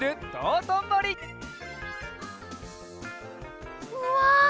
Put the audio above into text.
うわ！